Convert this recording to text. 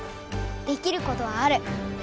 できることはある。